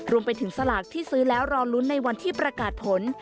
สลากที่ซื้อแล้วรอลุ้นในวันที่ประกาศผล